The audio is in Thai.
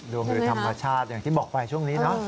ดูมือธรรมชาติอย่างที่บอกไปช่วงนี้เนอะ